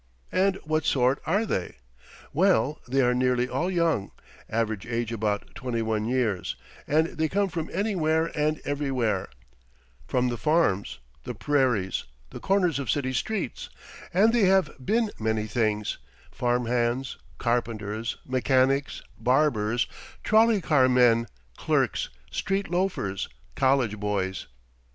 And what sort are they? Well, they are nearly all young average age about twenty one years; and they come from anywhere and everywhere from the farms, the prairies, the corners of city streets; and they have been many things farm hands, carpenters, mechanics, barbers, trolley car men, clerks, street loafers, college boys.